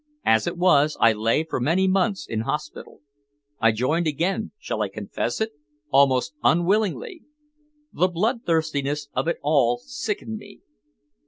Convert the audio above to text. As it was, I lay for many months in hospital. I joined again shall I confess it? almost unwillingly. The bloodthirstiness of it all sickened me.